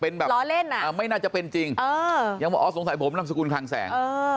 เป็นแบบล้อเล่นอ่ะไม่น่าจะเป็นจริงยังบอกอ๋อสงสัยผมนำสกุลคลังแสง